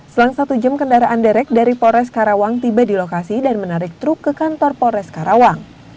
selang satu jam kendaraan derek dari polres karawang tiba di lokasi dan menarik truk ke kantor polres karawang